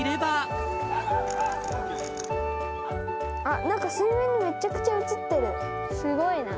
あっ、なんか水面にめちゃくちゃ映ってる。